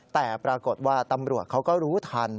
แต่ปรากฏว่าตำรวจเขาก็รู้ทัน